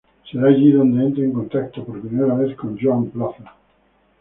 Será allí donde entre en contacto, por vez primera, con Joan Plaza.